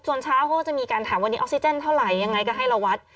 ส่วนเช้าเขาก็จะมีการถามวันนี้ออกซิเจนเท่าไหร่ยังไงก็ให้เราวัด